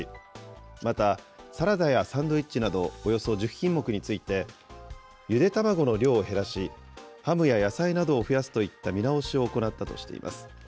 また、サラダやサンドイッチなど、およそ１０品目について、ゆで卵の量を減らし、ハムや野菜などを増やすといった見直しを行ったとしています。